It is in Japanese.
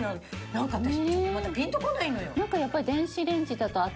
なんか私ちょっとまだピンとこないのよ。